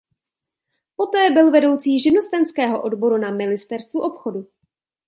Poté byl vedoucí živnostenského odboru na ministerstvu obchodu.